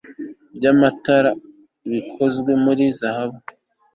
by'amatara bikozwe muri zahabu